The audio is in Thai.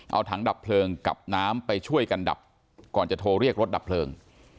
เอาถังดับเพลิงกับน้ำไปช่วยกันดับก่อนจะโทรเรียกรถดับเพลิง